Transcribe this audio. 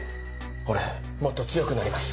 俺、もっと強くなります。